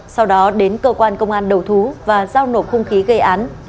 sau đó đến cơ quan công an đầu thú và giao nổ khung khí gây án